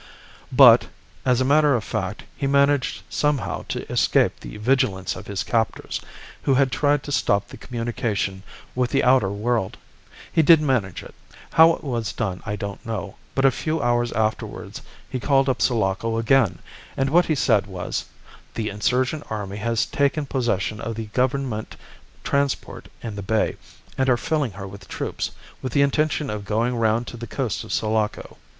"But, as a matter of fact, he managed somehow to escape the vigilance of his captors, who had tried to stop the communication with the outer world. He did manage it. How it was done I don't know, but a few hours afterwards he called up Sulaco again, and what he said was, 'The insurgent army has taken possession of the Government transport in the bay and are filling her with troops, with the intention of going round the coast to Sulaco.